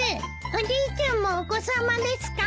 おじいちゃんもお子さまですか？